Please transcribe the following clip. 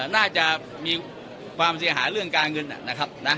น่าจะมีความเสียหายเรื่องการเงินนะครับ